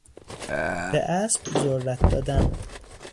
به اسب ذرت دادن